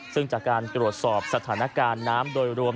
ซึ่งจากการตรวจสอบสถานการณ์น้ำโดยรวม